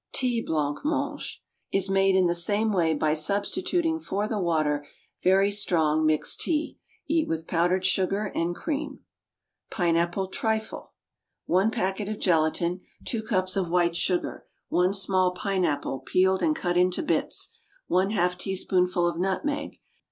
Tea Blanc mange Is made in the same way by substituting for the water very strong, mixed tea. Eat with powdered sugar and cream. Pineapple Trifle. One package of gelatine. Two cups of white sugar. One small pineapple, peeled and cut into bits. One half teaspoonful of nutmeg.